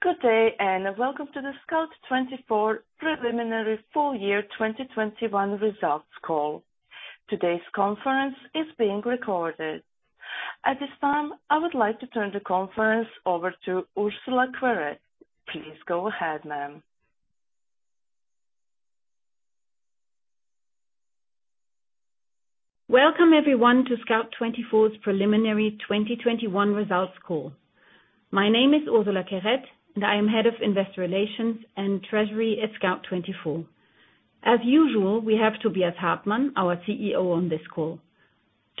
Good day, and welcome to the Scout24 preliminary full year 2021 results call. Today's conference is being recorded. At this time, I would like to turn the conference over to Ursula Querette. Please go ahead, ma'am. Welcome everyone to Scout24's preliminary 2021 results call. My name is Ursula Querette, and I am head of investor relations and treasury at Scout24. As usual, we have Tobias Hartmann, our CEO on this call.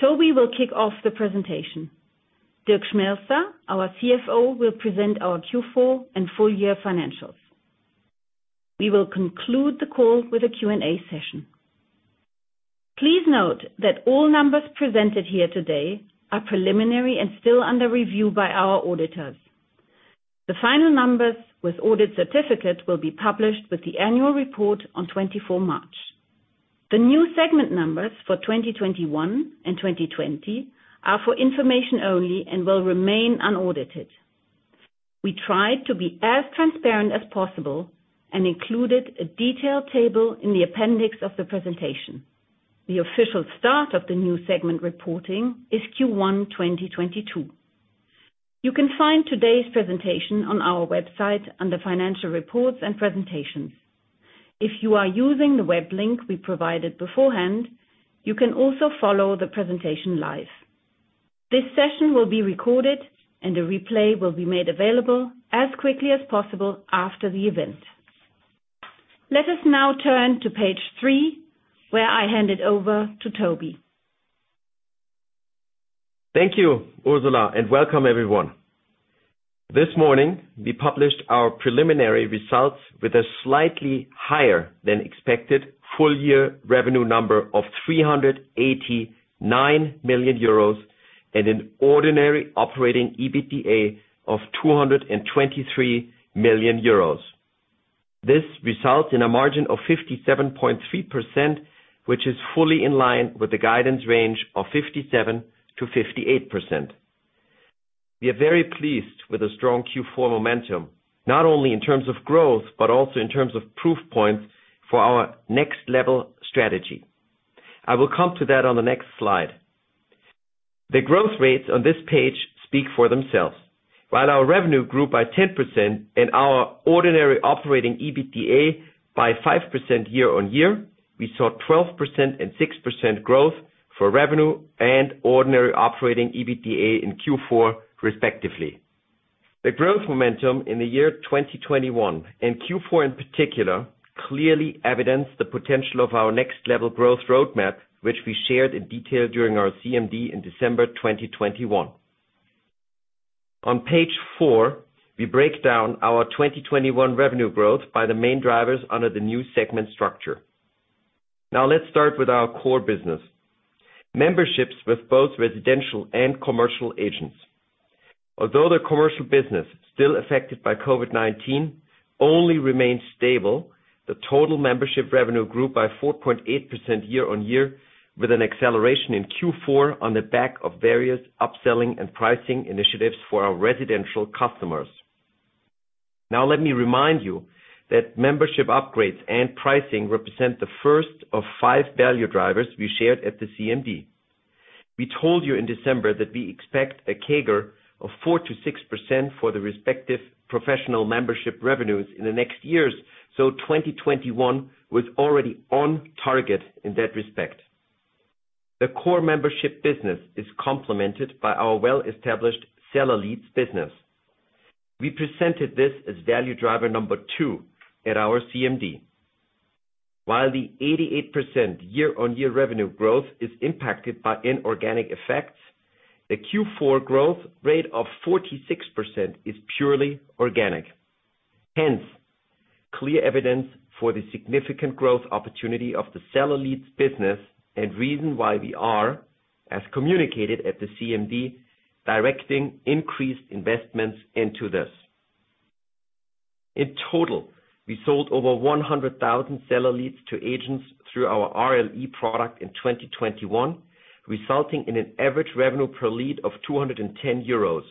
Toby will kick off the presentation. Dirk Schmelzer, our CFO, will present our Q4 and full year financials. We will conclude the call with a Q&A session. Please note that all numbers presented here today are preliminary and still under review by our auditors. The final numbers with audit certificate will be published with the annual report on 24 March. The new segment numbers for 2021 and 2020 are for information only and will remain unaudited. We tried to be as transparent as possible and included a detailed table in the appendix of the presentation. The official start of the new segment reporting is Q1 2022. You can find today's presentation on our website under Financial Reports and Presentations. If you are using the web link we provided beforehand, you can also follow the presentation live. This session will be recorded and a replay will be made available as quickly as possible after the event. Let us now turn to page three, where I hand it over to Toby. Thank you, Ursula, and welcome everyone. This morning, we published our preliminary results with a slightly higher than expected full year revenue number of 389 million euros and an ordinary operating EBITDA of 223 million euros. This results in a margin of 57.3%, which is fully in line with the guidance range of 57%-58%. We are very pleased with the strong Q4 momentum, not only in terms of growth, but also in terms of proof points for our next level strategy. I will come to that on the next slide. The growth rates on this page speak for themselves. While our revenue grew by 10% and our ordinary operating EBITDA by 5% year-on-year, we saw 12% and 6% growth for revenue and ordinary operating EBITDA in Q4, respectively. The growth momentum in the year 2021 and Q4 in particular clearly evidences the potential of our next level growth roadmap, which we shared in detail during our CMD in December 2021. On page four, we break down our 2021 revenue growth by the main drivers under the new segment structure. Now, let's start with our core business, memberships with both residential and commercial agents. Although the commercial business still affected by COVID-19 only remains stable, the total membership revenue grew by 4.8% year-on-year, with an acceleration in Q4 on the back of various upselling and pricing initiatives for our residential customers. Now, let me remind you that membership upgrades and pricing represent the first of five value drivers we shared at the CMD. We told you in December that we expect a CAGR of 4%-6% for the respective Professional membership revenues in the next years. 2021 was already on target in that respect. The core membership business is complemented by our well-established seller leads business. We presented this as value driver number two at our CMD. While the 88% year-on-year revenue growth is impacted by inorganic effects, the Q4 growth rate of 46% is purely organic. Hence, clear evidence for the significant growth opportunity of the seller leads business and reason why we are, as communicated at the CMD, directing increased investments into this. In total, we sold over 100,000 seller leads to agents through our RLE product in 2021, resulting in an average revenue per lead of 210 euros.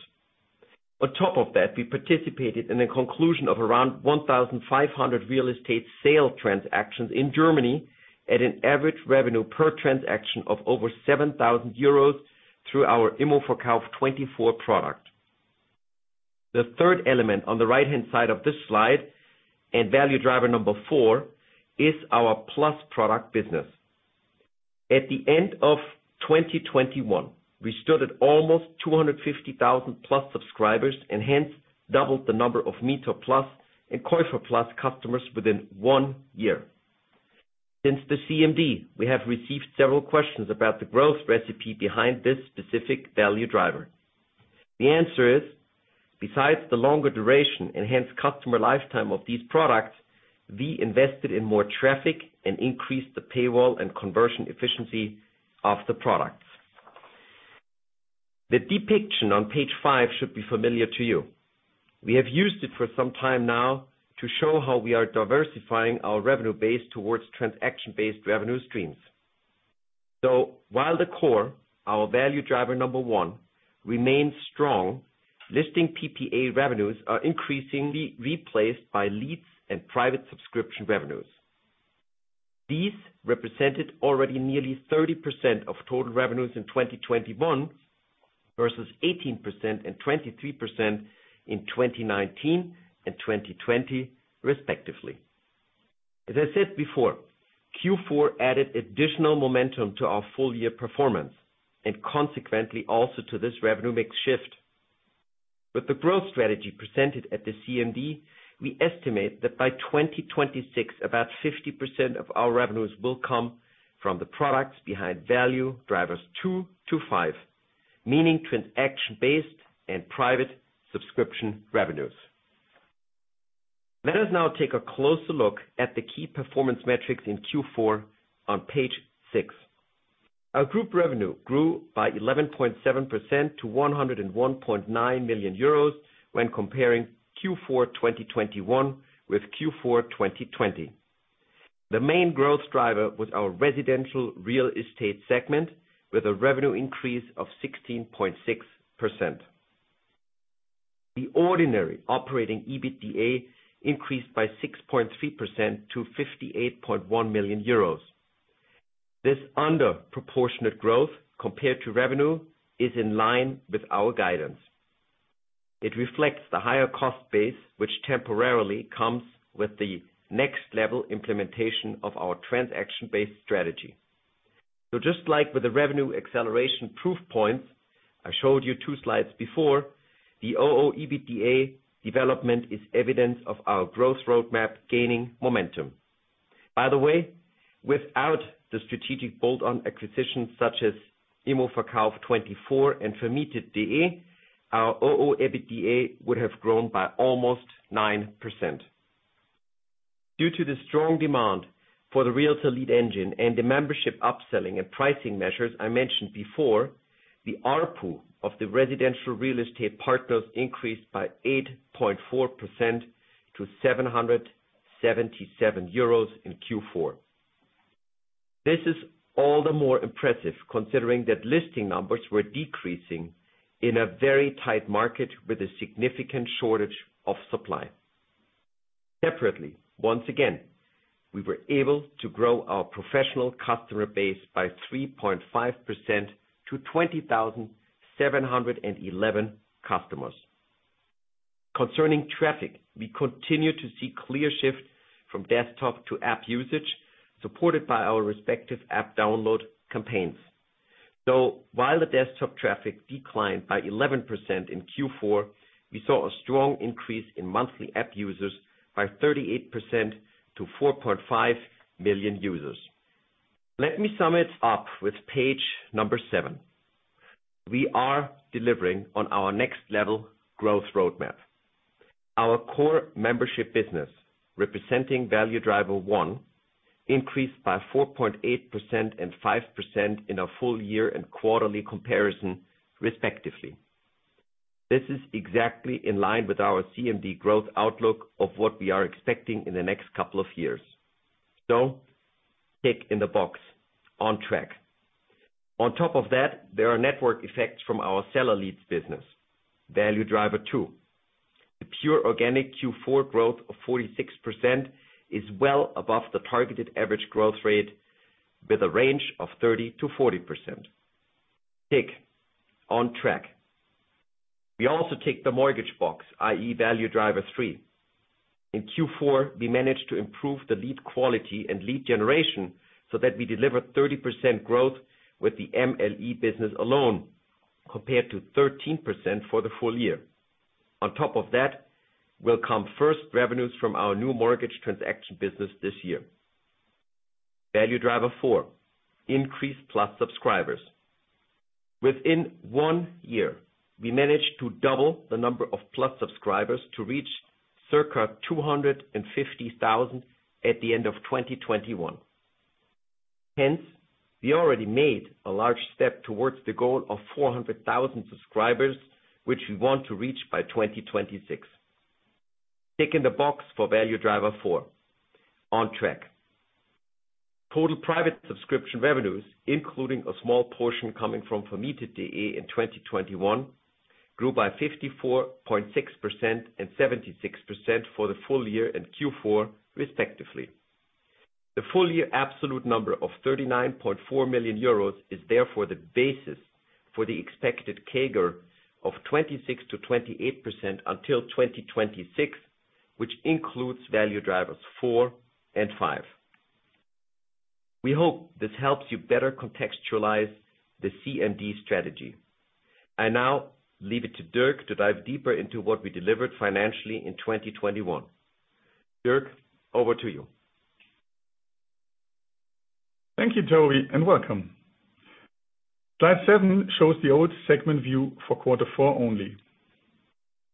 On top of that, we participated in the conclusion of around 1,500 real estate sale transactions in Germany at an average revenue per transaction of over 7,000 euros through our immoverkauf24 product. The third element on the right-hand side of this slide and value driver number four is our Plus product business. At the end of 2021, we stood at almost 250,000 Plus subscribers and hence doubled the number of MieterPlus and KäuferPlus customers within one year. Since the CMD, we have received several questions about the growth recipe behind this specific value driver. The answer is, besides the longer duration, enhanced customer lifetime of these products, we invested in more traffic and increased the paywall and conversion efficiency of the products. The depiction on page five should be familiar to you. We have used it for some time now to show how we are diversifying our revenue base towards transaction-based revenue streams. While the core, our value driver number one, remains strong, listing PPA revenues are increasingly replaced by leads and Private subscription revenues. These represented already nearly 30% of total revenues in 2021, versus 18% and 23% in 2019 and 2020 respectively. As I said before, Q4 added additional momentum to our full year performance and consequently also to this revenue mix shift. With the growth strategy presented at the CMD, we estimate that by 2026, about 50% of our revenues will come from the products behind value drivers two to five. Meaning transaction-based and Private subscription revenues. Let us now take a closer look at the key performance metrics in Q4 on page six. Our group revenue grew by 11.7% to 101.9 million euros when comparing Q4 2021 with Q4 2020. The main growth driver was our residential real estate segment, with a revenue increase of 16.6%. The ordinary operating EBITDA increased by 6.3% to 58.1 million euros. This under proportionate growth compared to revenue is in line with our guidance. It reflects the higher cost base, which temporarily comes with the next level implementation of our transaction-based strategy. Just like with the revenue acceleration proof points I showed you two slides before, the ooEBITDA development is evidence of our growth roadmap gaining momentum. By the way, without the strategic bolt-on acquisitions such as immoverkauf24 and Vermietet.de, our ooEBITDA would have grown by almost 9%. Due to the strong demand for the Realtor Lead Engine and the membership upselling and pricing measures I mentioned before, the ARPU of the residential real estate partners increased by 8.4% to EUR 777 in Q4. This is all the more impressive considering that listing numbers were decreasing in a very tight market with a significant shortage of supply. Separately, once again, we were able to grow our Professional customer base by 3.5% to 20,711 customers. Concerning traffic, we continue to see clear shift from desktop to app usage, supported by our respective app download campaigns. While the desktop traffic declined by 11% in Q4, we saw a strong increase in monthly app users by 38% to 4.5 million users. Let me sum it up with page seven. We are delivering on our next level growth roadmap. Our core membership business, representing value driver one, increased by 4.8% and 5% in a full year and quarterly comparison respectively. This is exactly in line with our CMD growth outlook of what we are expecting in the next couple of years. Tick in the box on track. On top of that, there are network effects from our seller leads business, value driver two. The pure organic Q4 growth of 46% is well above the targeted average growth rate with a range of 30%-40%. Tick on track. We also tick the mortgage box, i.e., value driver three. In Q4, we managed to improve the lead quality and lead generation so that we deliver 30% growth with the MLE business alone, compared to 13% for the full year. On top of that will come first revenues from our new mortgage transaction business this year. Value driver four, increased Plus subscribers. Within one year, we managed to double the number of Plus subscribers to reach circa 250,000 at the end of 2021. Hence, we already made a large step towards the goal of 400,000 subscribers, which we want to reach by 2026. Tick in the box for value driver four. On track. Total Private subscription revenues, including a small portion coming from Vermietet.de in 2021, grew by 54.6% and 76% for the full year and Q4 respectively. The full year absolute number of 39.4 million euros is therefore the basis for the expected CAGR of 26%-28% until 2026, which includes value drivers four and five. We hope this helps you better contextualize the CMD strategy. I now leave it to Dirk to dive deeper into what we delivered financially in 2021. Dirk, over to you. Thank you, Toby, and welcome. Slide seven shows the old segment view for quarter four only.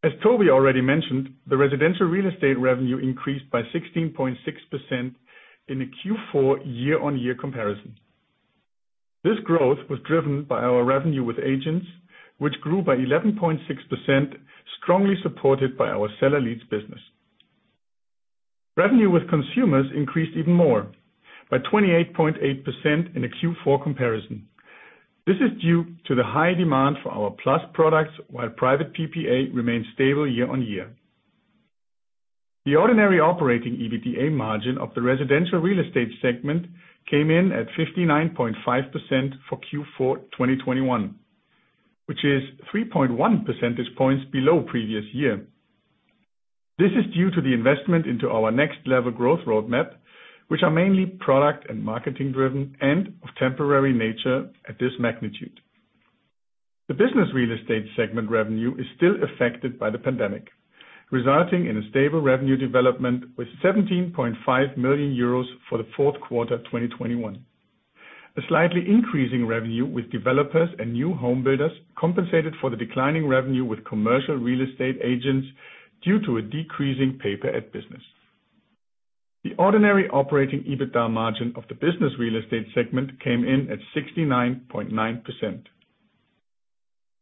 As Toby already mentioned, the residential real estate revenue increased by 16.6% in the Q4 year-on-year comparison. This growth was driven by our revenue with agents, which grew by 11.6%, strongly supported by our seller leads business. Revenue with consumers increased even more by 28.8% in the Q4 comparison. This is due to the high demand for our Plus products, while Private PPA remains stable year-on-year. The ordinary operating EBITDA margin of the residential real estate segment came in at 59.5% for Q4 2021, which is 3.1 percentage points below previous year. This is due to the investment into our next level growth roadmap, which are mainly product and marketing driven and of temporary nature at this magnitude. The Business Real Estate segment revenue is still affected by the pandemic, resulting in a stable revenue development with 17.5 million euros for the fourth quarter, 2021. A slightly increasing revenue with developers and new home builders compensated for the declining revenue with commercial real estate agents due to a decreasing pay-per-ad business. The ordinary operating EBITDA margin of the Business Real Estate segment came in at 69.9%.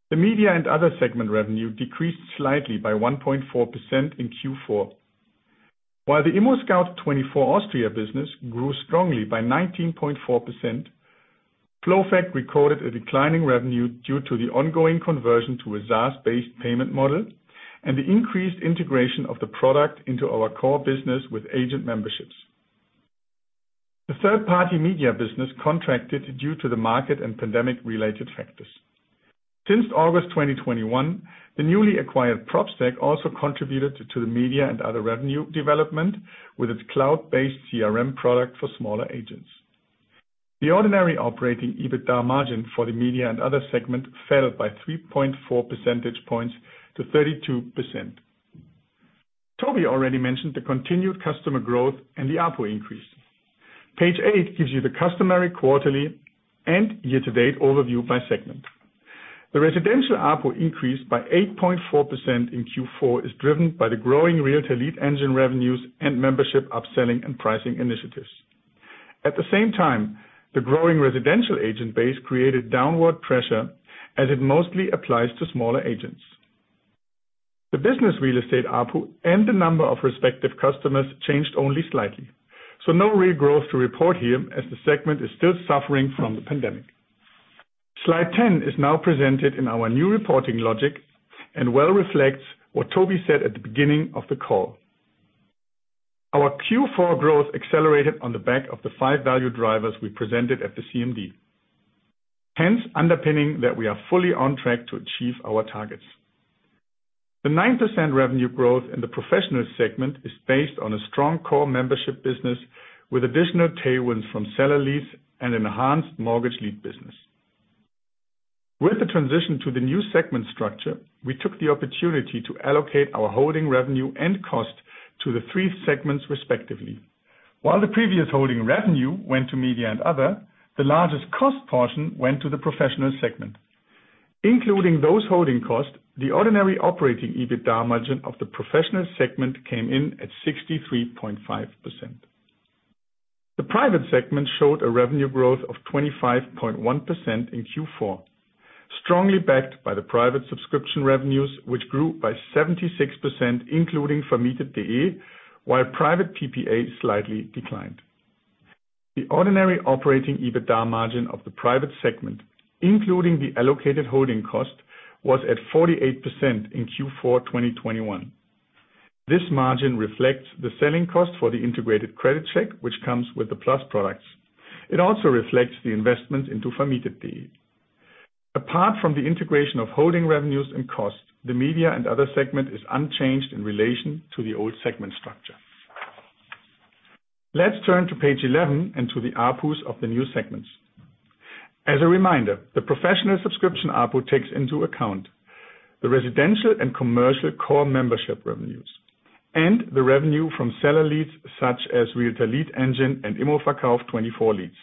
The Media and Other segment revenue decreased slightly by 1.4% in Q4. While the ImmoScout24 Austria business grew strongly by 19.4%, FLOWFACT recorded a declining revenue due to the ongoing conversion to a SaaS-based payment model and the increased integration of the product into our core business with agent memberships. The third-party media business contracted due to the market and pandemic related factors. Since August 2021, the newly acquired Propstack also contributed to the Media & Other revenue development with its cloud-based CRM product for smaller agents. The ordinary operating EBITDA margin for the Media & Other segment fell by 3.4 percentage points to 32%. Toby already mentioned the continued customer growth and the ARPU increase. Page eight gives you the customary quarterly and year-to-date overview by segment. The residential ARPU increase by 8.4% in Q4 is driven by the growing Realtor Lead Engine revenues and membership upselling and pricing initiatives. At the same time, the growing residential agent base created downward pressure as it mostly applies to smaller agents. The Business Real Estate ARPU and the number of respective customers changed only slightly. No real growth to report here as the segment is still suffering from the pandemic. Slide 10 is now presented in our new reporting logic and well reflects what Toby said at the beginning of the call. Our Q4 growth accelerated on the back of the five value drivers we presented at the CMD. Hence underpinning that we are fully on-track to achieve our targets. The 9% revenue growth in the Professional segment is based on a strong core membership business with additional tailwinds from seller leads and enhanced mortgage lead business. With the transition to the new segment structure, we took the opportunity to allocate our holding revenue and cost to the three segments, respectively. While the previous holding revenue went to Media & Other, the largest cost portion went to the Professional segment. Including those holding costs, the ordinary operating EBITDA margin of the Professional segment came in at 63.5%. The Private segment showed a revenue growth of 25.1% in Q4. Strongly backed by the Private subscription revenues, which grew by 76%, including Vermietet.de, while Private PPA slightly declined. The ordinary operating EBITDA margin of the Private segment, including the allocated holding cost, was at 48% in Q4, 2021. This margin reflects the selling cost for the integrated credit check, which comes with the Plus products. It also reflects the investment into Vermietet.de. Apart from the integration of holding revenues and costs, the Media & Other segment is unchanged in relation to the old segment structure. Let's turn to page 11 and to the ARPUs of the new segments. As a reminder, the Professional subscription ARPU takes into account the residential and commercial core membership revenues and the revenue from seller leads such as Realtor Lead Engine and immoverkauf24 leads,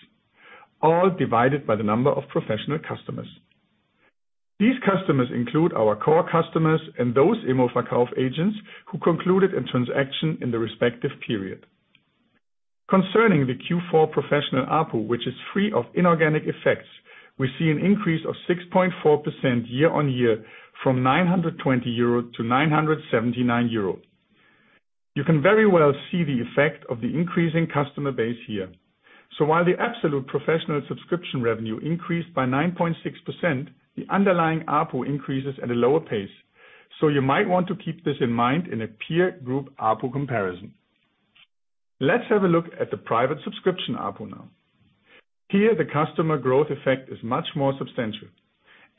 all divided by the number of Professional customers. These customers include our core customers and those immoverkauf24 agents who concluded a transaction in the respective period. Concerning the Q4 Professional ARPU, which is free of inorganic effects, we see an increase of 6.4% year-on-year from 920 euro to 979 euro. You can very well see the effect of the increasing customer base here. While the absolute Professional subscription revenue increased by 9.6%, the underlying ARPU increases at a lower pace. You might want to keep this in mind in a peer group ARPU comparison. Let's have a look at the Private subscription ARPU now. Here, the customer growth effect is much more substantial.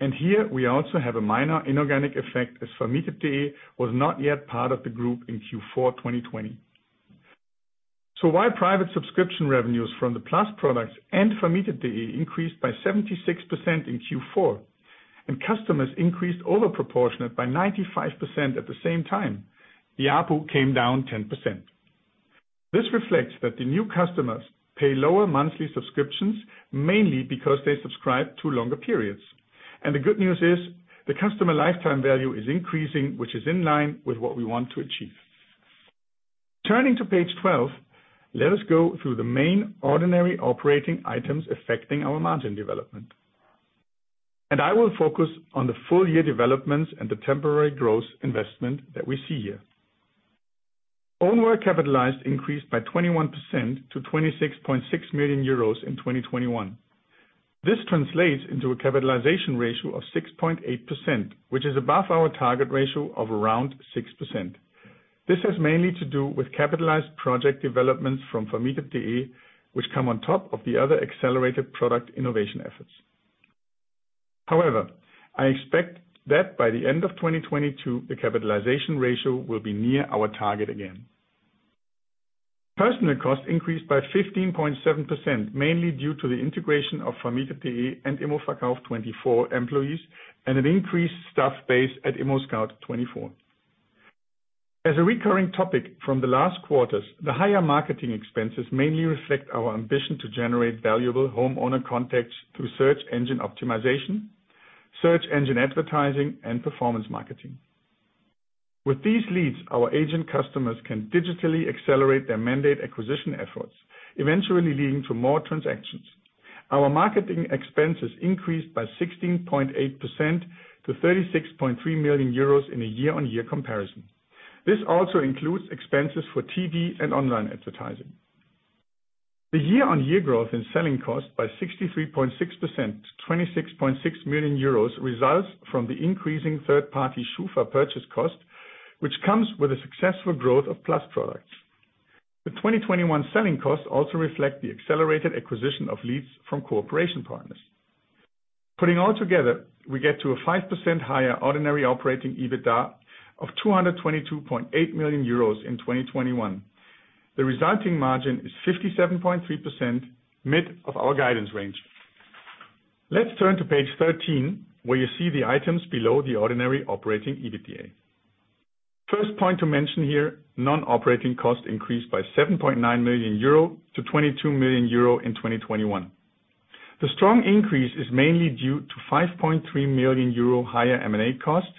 Here we also have a minor inorganic effect, as Vermietet.de was not yet part of the group in Q4, 2020. While Private subscription revenues from the Plus products and Vermietet.de increased by 76% in Q4 and customers increased over proportionate by 95% at the same time, the ARPU came down 10%. This reflects that the new customers pay lower monthly subscriptions, mainly because they subscribe to longer periods. The good news is the customer lifetime value is increasing, which is in line with what we want to achieve. Turning to page 12, let us go through the main ordinary operating items affecting our margin development. I will focus on the full year developments and the temporary gross investment that we see here. Own work capitalized increased by 21% to 26.6 million euros in 2021. This translates into a capitalization ratio of 6.8%, which is above our target ratio of around 6%. This has mainly to do with capitalized project developments from Vermietet.de, which come on top of the other accelerated product innovation efforts. However, I expect that by the end of 2022, the capitalization ratio will be near our target again. Personnel costs increased by 15.7%, mainly due to the integration of Vermietet.de andimmoverkauf24 employees, and an increased staff base at ImmoScout24. As a recurring topic from the last quarters, the higher marketing expenses mainly reflect our ambition to generate valuable homeowner contacts through search engine optimization, search engine advertising and performance marketing. With these leads, our agent customers can digitally accelerate their mandate acquisition efforts, eventually leading to more transactions. Our marketing expenses increased by 16.8% to 36.3 million euros in a year-on-year comparison. This also includes expenses for TV and online advertising. The year-on-year growth in selling costs by 63.6% to 26.6 million euros results from the increasing third-party SCHUFA purchase cost, which comes with a successful growth of Plus products. The 2021 selling costs also reflect the accelerated acquisition of leads from cooperation partners. Putting all together, we get to a 5% higher ordinary operating EBITDA of 222.8 million euros in 2021. The resulting margin is 57.3% mid of our guidance range. Let's turn to page 13, where you see the items below the ordinary operating EBITDA. First point to mention here, non-operating costs increased by 7.9 million euro to 22 million euro in 2021. The strong increase is mainly due to 5.3 million euro higher M&A costs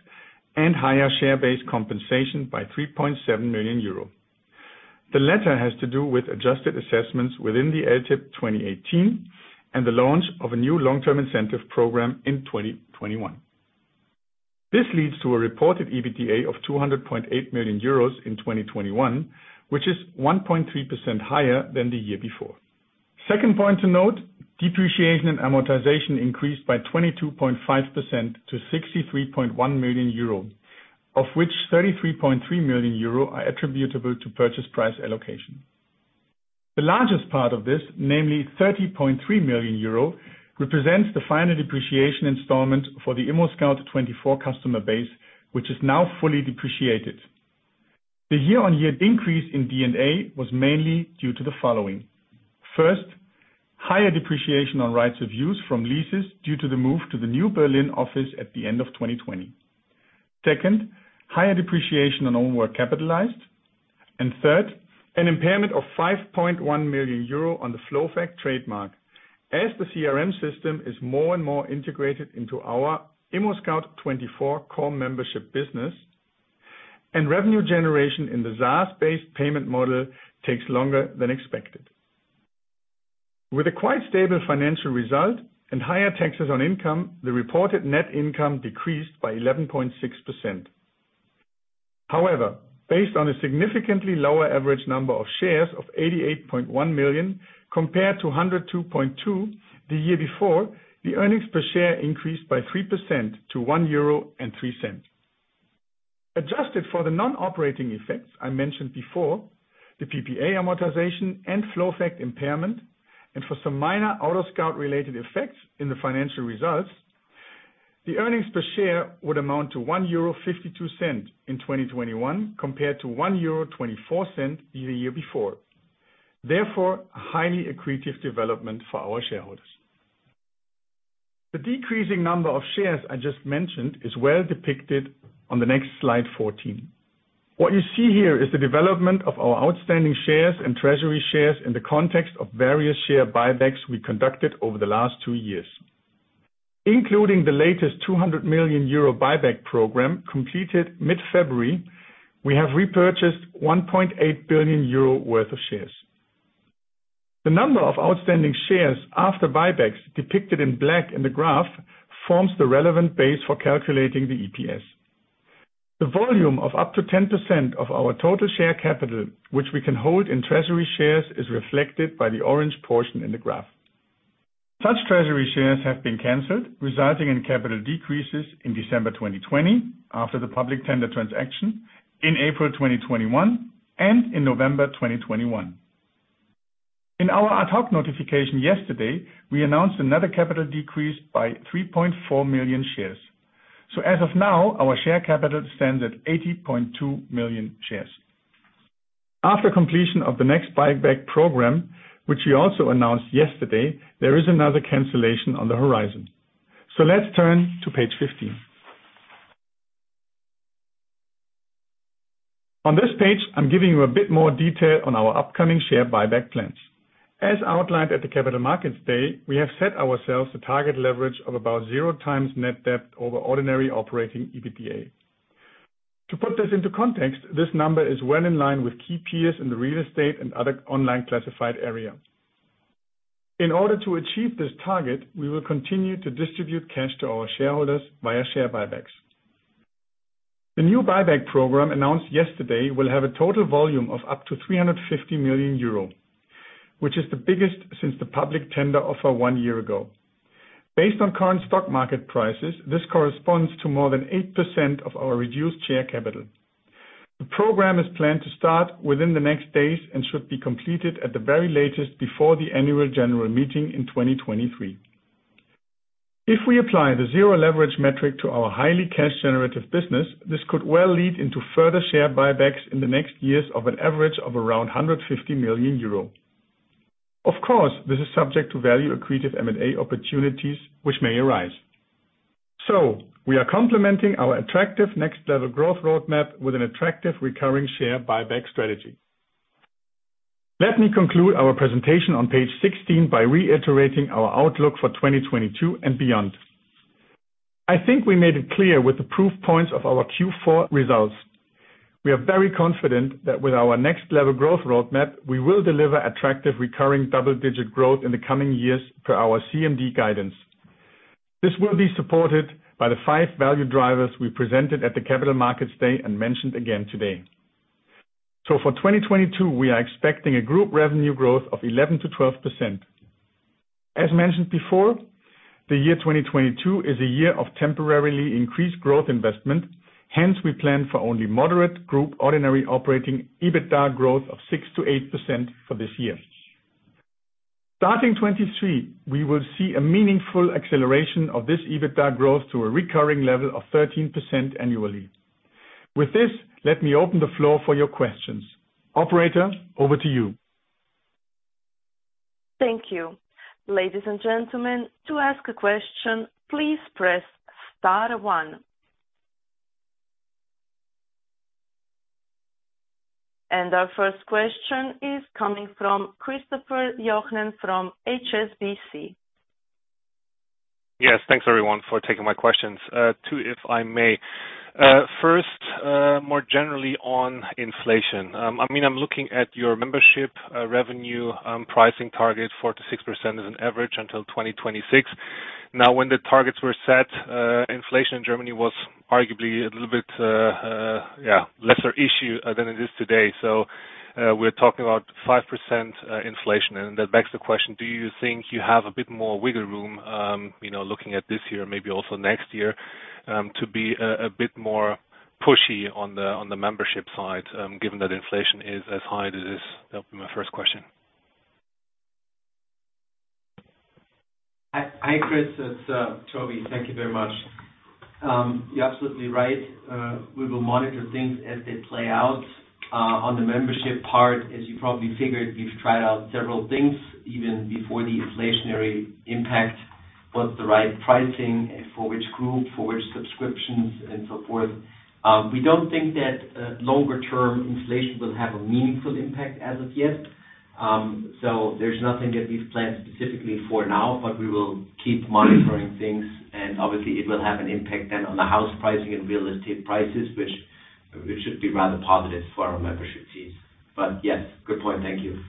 and higher share-based compensation by 3.7 million euro. The latter has to do with adjusted assessments within the LTIP 2018 and the launch of a new long-term incentive program in 2021. This leads to a reported EBITDA of 200.8 million euros in 2021, which is 1.3% higher than the year before. Second point to note, depreciation and amortization increased by 22.5% to 63.1 million euro, of which 33.3 million euro are attributable to purchase price allocation. The largest part of this, namely 30.3 million euro, represents the final depreciation installment for the ImmoScout24 customer base, which is now fully depreciated. The year-on-year increase in D&A was mainly due to the following. First, higher depreciation on rights of use from leases due to the move to the new Berlin office at the end of 2020. Second, higher depreciation on own work capitalized. Third, an impairment of 5.1 million euro on the FLOWFACT trademark as the CRM system is more and more integrated into our ImmoScout24 core membership business and revenue generation in the SaaS-based payment model takes longer than expected. With a quite stable financial result and higher taxes on income, the reported net income decreased by 11.6%. However, based on a significantly lower average number of shares of 88.1 million compared to 102.2 million the year before, the earnings per share increased by 3% to 1.03 euro. Adjusted for the non-operating effects I mentioned before, the PPA amortization and FLOWFACT impairment, and for some minor AutoScout24 related effects in the financial results, the earnings per share would amount to 1.52 euro in 2021 compared to 1.24 euro the year before. Therefore, a highly accretive development for our shareholders. The decreasing number of shares I just mentioned is well depicted on the next slide 14. What you see here is the development of our outstanding shares and treasury shares in the context of various share buybacks we conducted over the last two years. Including the latest 200 million euro buyback program completed mid-February, we have repurchased 1.8 billion euro worth of shares. The number of outstanding shares after buybacks depicted in black in the graph forms the relevant base for calculating the EPS. The volume of up to 10% of our total share capital, which we can hold in treasury shares, is reflected by the orange portion in the graph. Such treasury shares have been canceled, resulting in capital decreases in December 2020 after the public tender transaction, in April 2021, and in November 2021. In our ad hoc notification yesterday, we announced another capital decrease by 3.4 million shares. As of now, our share capital stands at 80.2 million shares. After completion of the next buyback program, which we also announced yesterday, there is another cancellation on the horizon. Let's turn to page 15. On this page, I'm giving you a bit more detail on our upcoming share buyback plans. As outlined at the Capital Markets Day, we have set ourselves a target leverage of about zero times net debt over ordinary operating EBITDA. To put this into context, this number is well in line with key peers in the real estate and other online classified area. In order to achieve this target, we will continue to distribute cash to our shareholders via share buybacks. The new buyback program announced yesterday will have a total volume of up to 350 million euro, which is the biggest since the public tender offer one year ago. Based on current stock market prices, this corresponds to more than 8% of our reduced share capital. The program is planned to start within the next days and should be completed at the very latest before the annual general meeting in 2023. If we apply the zero leverage metric to our highly cash generative business, this could well lead into further share buybacks in the next years of an average of around 150 million euro. Of course, this is subject to value accretive M&A opportunities which may arise. We are complementing our attractive next level growth roadmap with an attractive recurring share buyback strategy. Let me conclude our presentation on page 16 by reiterating our outlook for 2022 and beyond. I think we made it clear with the proof points of our Q4 results. We are very confident that with our next level growth roadmap, we will deliver attractive recurring double-digit growth in the coming years per our CMD guidance. This will be supported by the five value drivers we presented at the Capital Markets Day and mentioned again today. For 2022, we are expecting a group revenue growth of 11%-12%. As mentioned before, the year 2022 is a year of temporarily increased growth investment. Hence, we plan for only moderate group ordinary operating EBITDA growth of 6%-8% for this year. Starting 2023, we will see a meaningful acceleration of this EBITDA growth to a recurring level of 13% annually. With this, let me open the floor for your questions. Operator, over to you. Thank you. Ladies and gentlemen, to ask a question, please press star one. Our first question is coming from Christopher Johnen from HSBC. Yes, thanks everyone for taking my questions. Two, if I may. First, more generally on inflation. I mean, I'm looking at your membership revenue pricing target, 4%-6% as an average until 2026. Now, when the targets were set, inflation in Germany was arguably a little bit yeah, lesser issue than it is today. We're talking about 5% inflation. That begs the question, do you think you have a bit more wiggle room, you know, looking at this year, maybe also next year, to be a bit more pushy on the membership side, given that inflation is as high as it is? That'll be my first question. Hi, Chris. It's Toby. Thank you very much. You're absolutely right. We will monitor things as they play out on the membership part. As you probably figured, we've tried out several things even before the inflationary impact. What's the right pricing for which group, for which subscriptions, and so forth. We don't think that longer-term inflation will have a meaningful impact as of yet. So there's nothing that we've planned specifically for now, but we will keep monitoring things, and obviously it will have an impact then on the house pricing and real estate prices, which should be rather positive for our membership fees. Yes, good point. Thank you.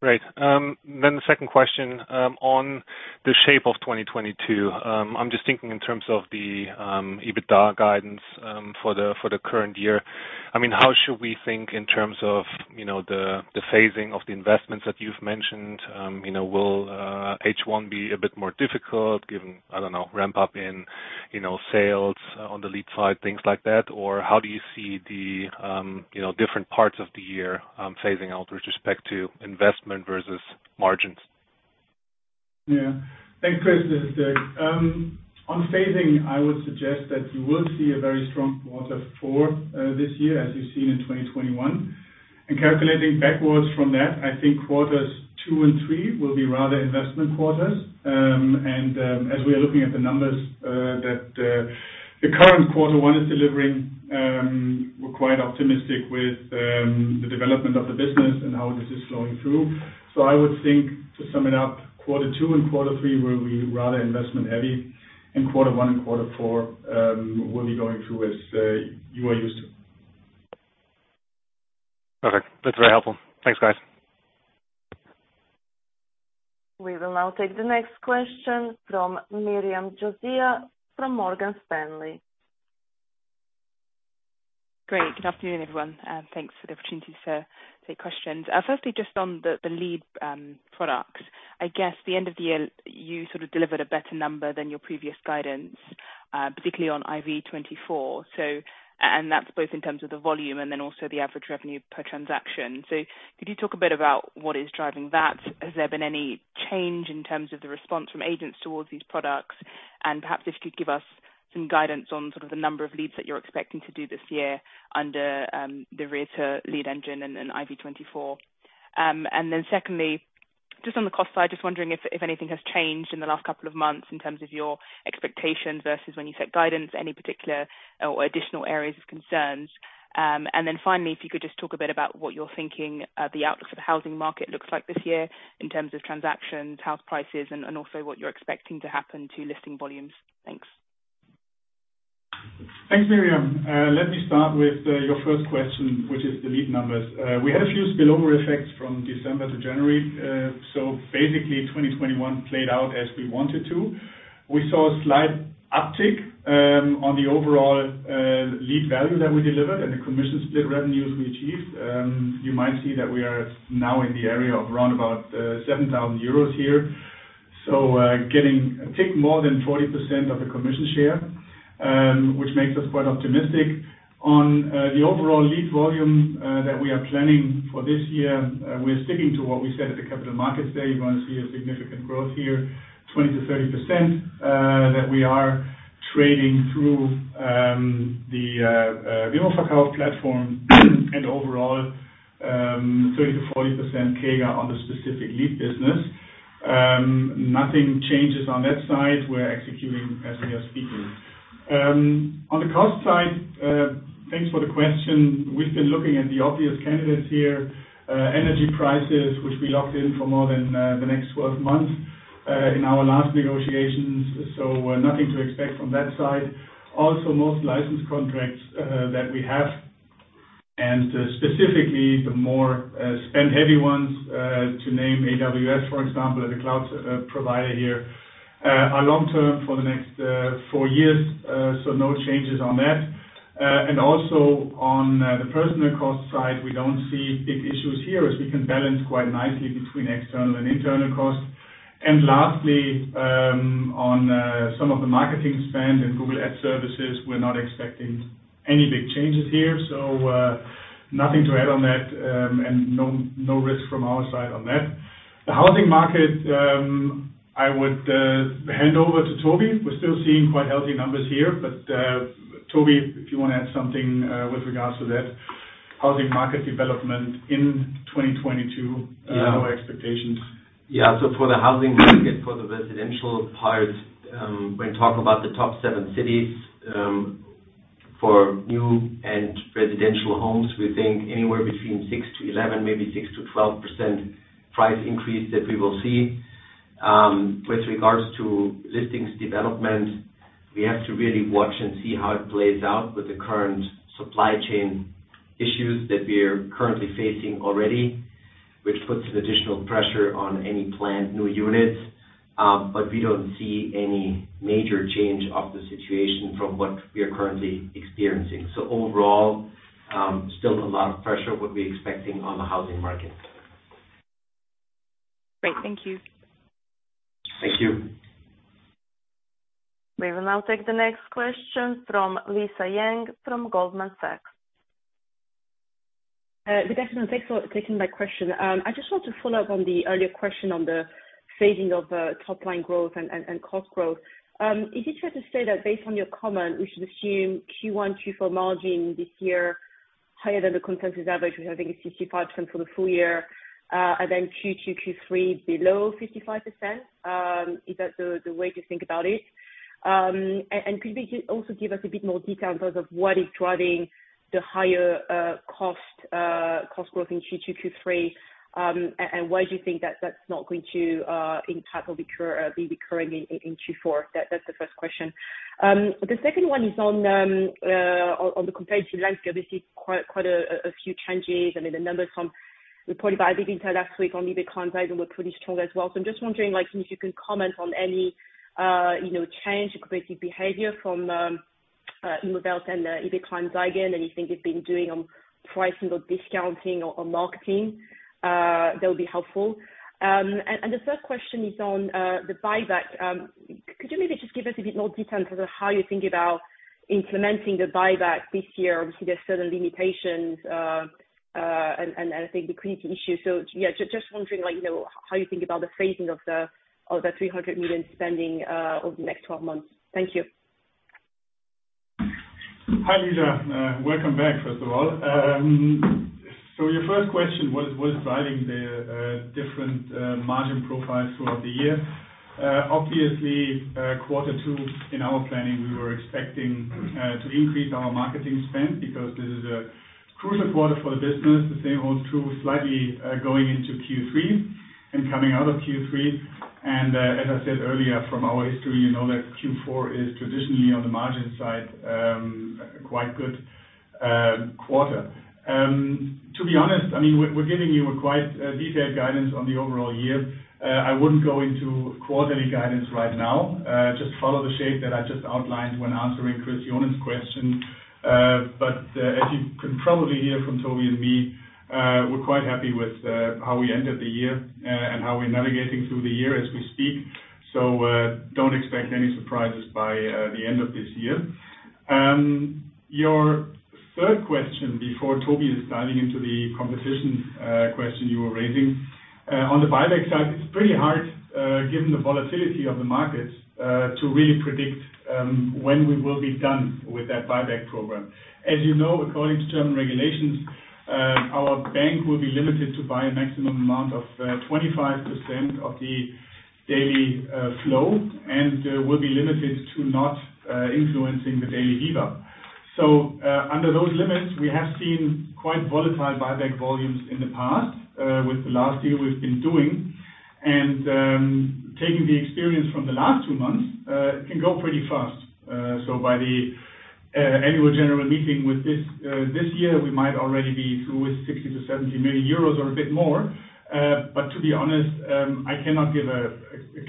Great. Then the second question, on the shape of 2022. I'm just thinking in terms of the EBITDA guidance, for the current year. I mean, how should we think in terms of, you know, the phasing of the investments that you've mentioned? You know, will H1 be a bit more difficult given, I don't know, ramp up in, you know, sales on the lead side, things like that? Or how do you see the, you know, different parts of the year, phasing out with respect to investment versus margins? Yeah. Thanks, Chris. This is Dirk. On phasing, I would suggest that you will see a very strong quarter four this year, as you've seen in 2021. Calculating backwards from that, I think quarters two and three will be rather investment quarters. As we are looking at the numbers that the current quarter one is delivering, we're quite optimistic with the development of the business and how this is flowing through. I would think, to sum it up, quarter two and quarter three will be rather investment-heavy, and quarter one and quarter four will be going through as you are used to. Perfect. That's very helpful. Thanks, guys. We will now take the next question from Miriam Josiah from Morgan Stanley. Great. Good afternoon, everyone, and thanks for the opportunity to ask the questions. Firstly, just on the lead products. I guess the end of the year you sort of delivered a better number than your previous guidance, particularly on immoverkauf24. That's both in terms of the volume and then also the average revenue per transaction. Could you talk a bit about what is driving that? Has there been any change in terms of the response from agents towards these products? Perhaps if you could give us some guidance on sort of the number of leads that you're expecting to do this year under the RLE and immoverkauf24. Secondly, just on the cost side, just wondering if anything has changed in the last couple of months in terms of your expectations versus when you set guidance, any particular or additional areas of concerns? Finally, if you could just talk a bit about what you're thinking, the outlook for the housing market looks like this year in terms of transactions, house prices, and also what you're expecting to happen to listing volumes. Thanks. Thanks, Miriam. Let me start with your first question, which is the lead numbers. We had a few spillover effects from December to January. Basically, 2021 played out as we want it to. We saw a slight uptick on the overall lead value that we delivered and the commission split revenues we achieved. You might see that we are now in the area of around about 7,000 euros here. Getting a tick more than 40% of the commission share, which makes us quite optimistic. On the overall lead volume that we are planning for this year, we're sticking to what we said at the Capital Markets Day. You wanna see a significant growth here, 20%-30%, that we are trading through the immoverkauf24 platform and overall, 30%-40% CAGR on the specific lead business. Nothing changes on that side. We're executing as we are speaking. On the cost side, thanks for the question. We've been looking at the obvious candidates here. Energy prices, which we locked in for more than the next 12 months in our last negotiations, so nothing to expect from that side. Also, most license contracts that we have, and specifically the more spend-heavy ones, to name AWS, for example, as a cloud provider here, are long-term for the next four years, so no changes on that. Also on the personnel cost side, we don't see big issues here, as we can balance quite nicely between external and internal costs. Lastly, on some of the marketing spend and Google ad services, we're not expecting any big changes here. Nothing to add on that, and no risk from our side on that. The housing market, I would hand over to Toby. We're still seeing quite healthy numbers here, but Toby, if you wanna add something, with regards to that housing market development in 2022, our expectations. For the housing market, for the residential part, when talking about the top seven cities, for new and residential homes, we think anywhere between 6%-11%, maybe 6%-12% price increase that we will see. With regards to listings development, we have to really watch and see how it plays out with the current supply chain issues that we are currently facing already, which puts an additional pressure on any planned new units. But we don't see any major change of the situation from what we are currently experiencing. Overall, still a lot of pressure, what we're expecting on the housing market. Great. Thank you. Thank you. We will now take the next question from Lisa Yang from Goldman Sachs. Good afternoon. Thanks for taking my question. I just want to follow up on the earlier question on the phasing of top line growth and cost growth. Is it fair to say that based on your comment, we should assume Q1, Q4 margin this year higher than the consensus average, which I think is 65% for the full year, and then Q2, Q3 below 55%? Is that the way to think about it? And could you also give us a bit more detail in terms of what is driving the higher cost growth in Q2, Q3, and why do you think that that's not going to recur, be recurring in Q4? That's the first question. The second one is on the competitive landscape. Obviously, quite a few changes. I mean, the numbers reported by IBES last week on eBay Kleinanzeigen were pretty strong as well. I'm just wondering, like, if you can comment on any, you know, change in competitive behavior from immowelt and eBay Kleinanzeigen, anything you've been doing on pricing or discounting or marketing that would be helpful. And the third question is on the buyback. Could you maybe just give us a bit more detail in terms of how you think about implementing the buyback this year? Obviously, there are certain limitations, and I think the credit issue. So yeah, just wondering, like, you know, how you think about the phasing of the 300 million spending over the next 12 months. Thank you. Hi, Lisa. Welcome back, first of all. So your first question, what is driving the different margin profiles throughout the year? Obviously, quarter two in our planning, we were expecting to increase our marketing spend because this is a crucial quarter for the business. The same holds true slightly going into Q3 and coming out of Q3. As I said earlier, from our history, you know that Q4 is traditionally on the margin side quite good quarter. To be honest, I mean, we're giving you a quite detailed guidance on the overall year. I wouldn't go into quarterly guidance right now. Just follow the shape that I just outlined when answering Christopher Johnen's question. As you can probably hear from Toby and me, we're quite happy with how we ended the year and how we're navigating through the year as we speak. Don't expect any surprises by the end of this year. Your third question, before Toby is diving into the competition question you were raising. On the buyback side, it's pretty hard, given the volatility of the markets, to really predict when we will be done with that buyback program. As you know, according to German regulations, our bank will be limited to buy a maximum amount of 25% of the daily flow and will be limited to not influencing the daily VWAP. Under those limits, we have seen quite volatile buyback volumes in the past with the last year we've been doing. Taking the experience from the last two months, it can go pretty fast. By the Annual General Meeting with this year, we might already be through with 60 million-70 million euros or a bit more. To be honest, I cannot give a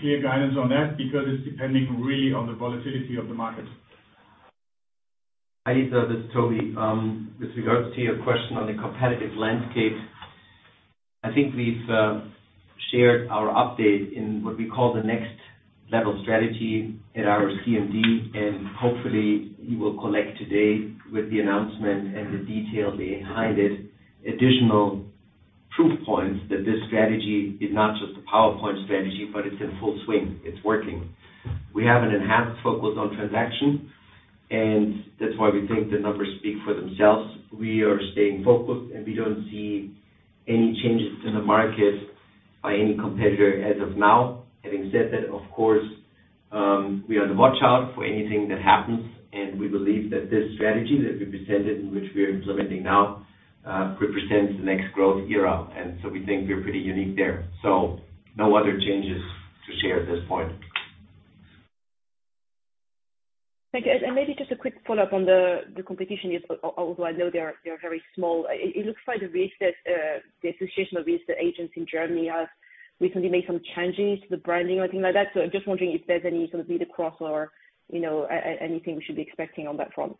clear guidance on that because it's depending really on the volatility of the market. Hi, Lisa, this is Toby. With regards to your question on the competitive landscape, I think we've shared our update in what we call the next level strategy at our CMD, and hopefully you will collect today with the announcement and the detail behind it, additional proof points that this strategy is not just a PowerPoint strategy, but it's in full swing. It's working. We have an enhanced focus on transaction, and that's why we think the numbers speak for themselves. We are staying focused, and we don't see any changes in the market by any competitor as of now. Having said that, of course, we are on the watch out for anything that happens, and we believe that this strategy that we presented, and which we are implementing now, represents the next growth era. We think we're pretty unique there. No other changes to share at this point. Thank you. Maybe just a quick follow-up on the competition, although I know they are very small. It looks like the association with the agents in Germany has recently made some changes to the branding or anything like that. I'm just wondering if there's any sort of leader crossover, you know, anything we should be expecting on that front.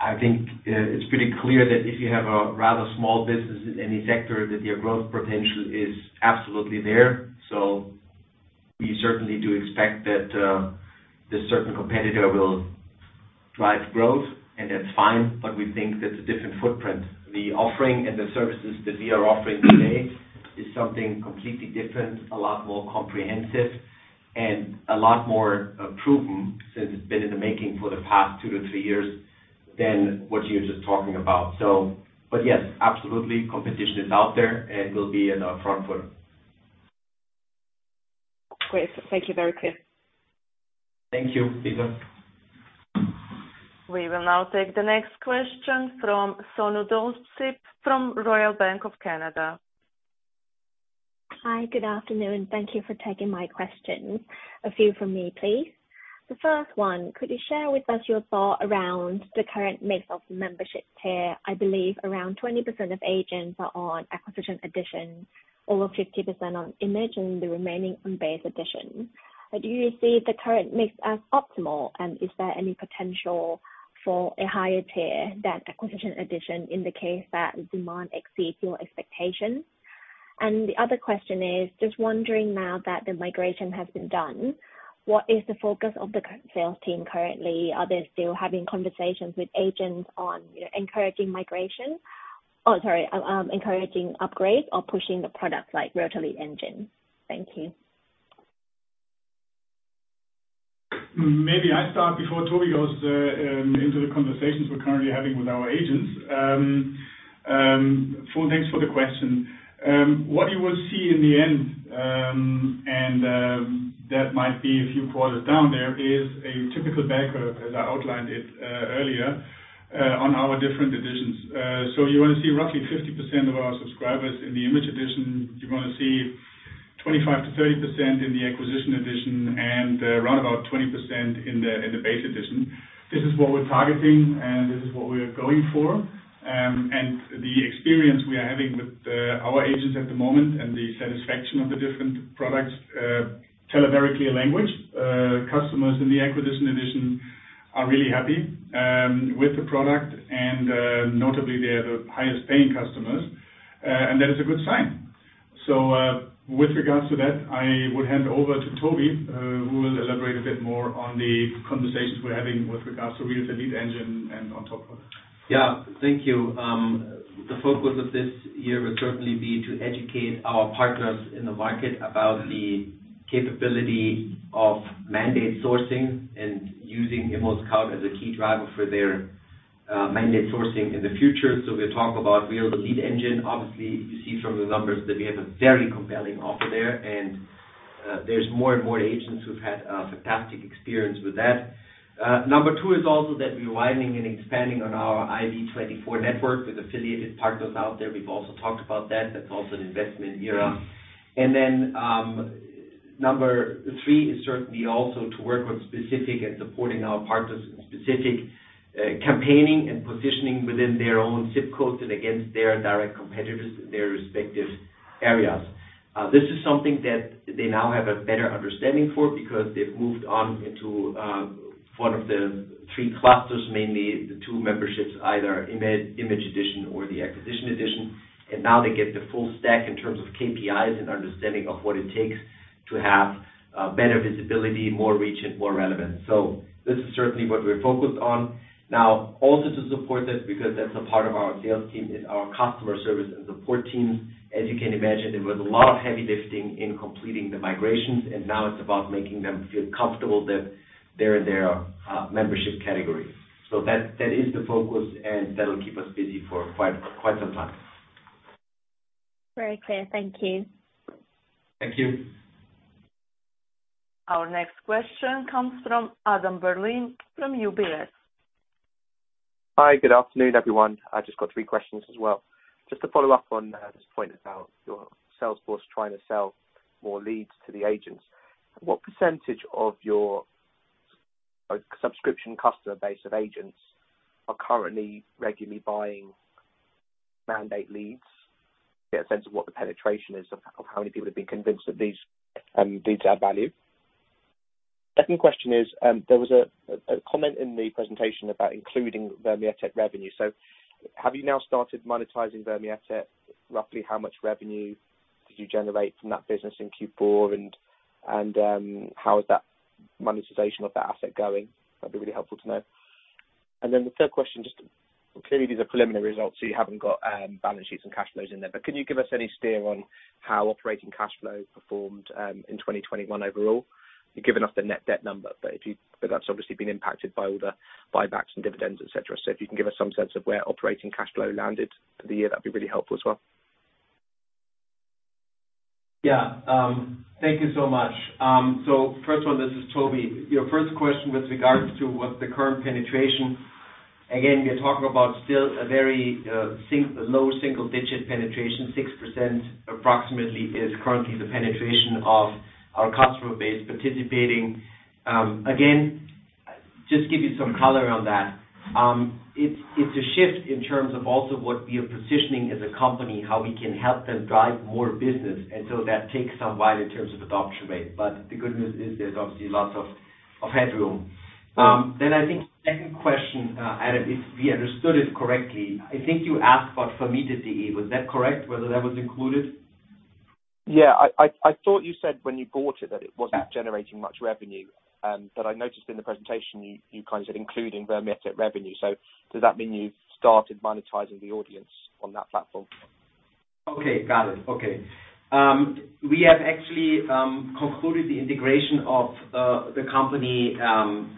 I think it's pretty clear that if you have a rather small business in any sector, that your growth potential is absolutely there. We certainly do expect that this certain competitor will drive growth, and that's fine, but we think that's a different footprint. The offering and the services that we are offering today is something completely different, a lot more comprehensive and a lot more proven, since it's been in the making for the past two to three years than what you're just talking about. Yes, absolutely, competition is out there and will be in our front foot. Great. Thank you. Very clear. Thank you, Lisa. We will now take the next question from Fon Udomsilpa from Royal Bank of Canada. Hi. Good afternoon. Thank you for taking my question. A few from me, please. The first one, could you share with us your thought around the current mix of membership tier? I believe around 20% of agents are on Acquisition Edition, over 50% on Image Edition, and the remaining on Base Edition. Do you see the current mix as optimal, and is there any potential for a higher tier than Acquisition Edition in the case that demand exceeds your expectations? The other question is, just wondering now that the migration has been done, what is the focus of the current sales team currently? Are they still having conversations with agents on, you know, encouraging upgrades or pushing the products like Realtor Lead Engine. Thank you. Maybe I start before Toby goes into the conversations we're currently having with our agents. Thanks for the question. What you will see in the end, and that might be a few quarters down the line, is a typical banker, as I outlined it earlier on our different editions. You're gonna see roughly 50% of our subscribers in the Image Edition. You're gonna see 25%-30% in the Acquisition Edition and around about 20% in the Base Edition. This is what we're targeting, and this is what we are going for. The experience we are having with our agents at the moment and the satisfaction of the different products tell a very clear language. Customers in the Acquisition Edition are really happy with the product, and notably, they are the highest-paying customers. That is a good sign. With regards to that, I would hand over to Toby, who will elaborate a bit more on the conversations we're having with regards to Realtor Lead Engine and on top of that. Yeah. Thank you. The focus of this year will certainly be to educate our partners in the market about the capability of mandate sourcing and using ImmoScout24 as a key driver for their mandate sourcing in the future. We'll talk about Realtor Lead Engine. Obviously, you see from the numbers that we have a very compelling offer there, and there's more and more agents who've had a fantastic experience with that. Number two is also that we're widening and expanding on our immoverkauf24 network with affiliated partners out there. We've also talked about that. That's also an investment area. Number three is certainly also to work with specific and supporting our partners in specific campaigning and positioning within their own ZIP codes and against their direct competitors in their respective areas. This is something that they now have a better understanding for because they've moved on into one of the three clusters, mainly the two memberships, either Image Edition or the Acquisition Edition. Now they get the full stack in terms of KPIs and understanding of what it takes to have better visibility, more reach and more relevance. This is certainly what we're focused on. Now, also to support that, because that's a part of our sales team, is our customer service and support teams. As you can imagine, there was a lot of heavy lifting in completing the migrations, and now it's about making them feel comfortable that they're in their membership category. That is the focus, and that'll keep us busy for quite some time. Very clear. Thank you. Thank you. Our next question comes from Adam Berlin from UBS. Hi, good afternoon, everyone. I just got three questions as well. Just to follow up on this point about your salesforce trying to sell more leads to the agents. What percentage of your subscription customer base of agents are currently regularly buying mandate leads? Get a sense of what the penetration is of how many people have been convinced that these leads are value. Second question is, there was a comment in the presentation about including Vermietet.de Revenue. So have you now started monetizing Vermietet.de? Roughly how much revenue did you generate from that business in Q4? And how is that monetization of that asset going? That'd be really helpful to know. Then the third question, just clearly, these are preliminary results, so you haven't got balance sheets and cash flows in there. Can you give us any steer on how operating cash flow performed in 2021 overall? You've given us the net debt number, but that's obviously been impacted by all the buybacks and dividends, et cetera. If you can give us some sense of where operating cash flow landed for the year, that'd be really helpful as well. Yeah. Thank you so much. First one, this is Toby. Your first question with regards to what the current penetration. Again, we are talking about still a very low single digit penetration. 6% approximately is currently the penetration of our customer base participating. Again, just give you some color on that. It's a shift in terms of also what we are positioning as a company, how we can help them drive more business. That takes some while in terms of adoption rate. The good news is there's obviously lots of headroom. I think second question, Adam, if we understood it correctly. I think you asked about Vermietet.de, was that correct? Whether that was included. Yeah. I thought you said when you bought it that it wasn't generating much revenue. But I noticed in the presentation you kind of said, including Vermietet.de Revenue. Does that mean you've started monetizing the audience on that platform? Okay. Got it. Okay. We have actually concluded the integration of the company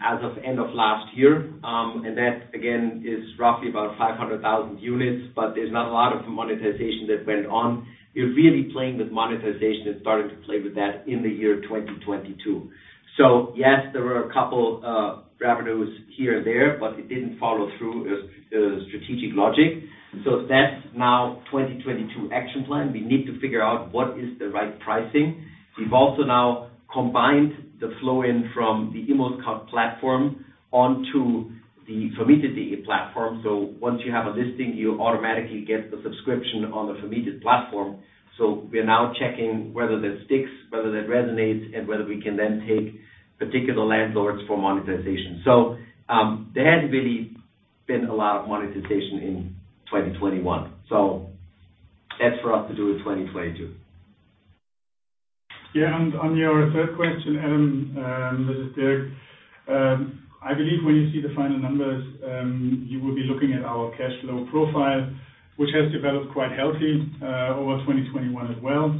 as of end of last year. That again is roughly about 500,000 units. There's not a lot of monetization that went on. You're really playing with monetization and starting to play with that in the year 2022. Yes, there were a couple revenues here and there, but it didn't follow through strategic logic. That's now 2022 action plan. We need to figure out what is the right pricing. We've also now combined the flow in from the ImmoScout24 platform onto the Vermietet.de platform. Once you have a listing, you automatically get the subscription on the Vermietet.de platform. We are now checking whether that sticks, whether that resonates, and whether we can then take particular landlords for monetization. There hasn't really been a lot of monetization in 2021. That's for us to do in 2022. Yeah. On your third question, Adam, this is Dirk. I believe when you see the final numbers, you will be looking at our cash flow profile, which has developed quite healthy over 2021 as well.